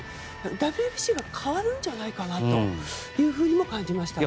ＷＢＣは変わるんじゃないかなというふうにも感じましたね。